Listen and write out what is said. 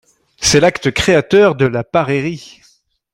C’est l’acte créateur de la parérie.